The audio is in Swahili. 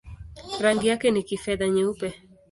Rangi yake ni kifedha-nyeupe.